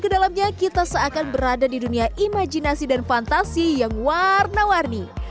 di dalamnya kita seakan berada di dunia imajinasi dan fantasi yang warna warni